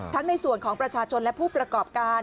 ในส่วนของประชาชนและผู้ประกอบการ